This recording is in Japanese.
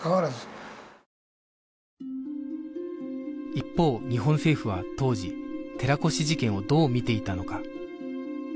一方日本政府は当時寺越事件をどうみていたのか